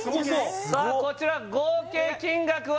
さあこちら合計金額は？